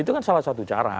itu kan salah satu cara